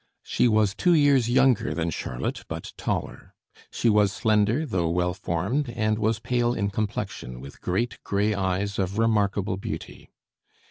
She was two years younger than Charlotte, but taller. She was slender, though well formed, and was pale in complexion, with great gray eyes of remarkable beauty.